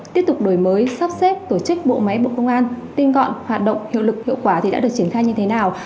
tiếp tục đổi mới sắp xếp tổ chức bộ máy bộ công an tinh gọn hoạt động hiệu lực hiệu quả thì đã được triển khai như thế nào